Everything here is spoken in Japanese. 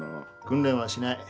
訓練はしない。